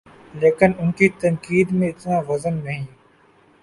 لیکن ان کی تنقید میں اتنا وزن نہیں۔